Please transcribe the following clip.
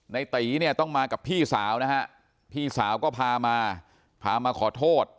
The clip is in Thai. ในตีต้องมากับพี่สาวนะฮะพี่สาวก็พามาขอโทษ